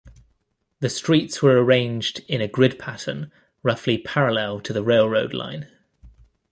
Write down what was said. The streets were arranged in a grid pattern roughly parallel to the railroad line.